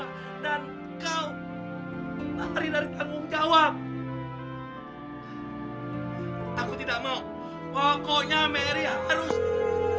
aku tidak mau pokoknya mary harus